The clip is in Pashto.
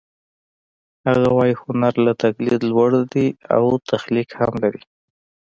هغه وايي هنر له تقلید لوړ دی او تخلیق هم لري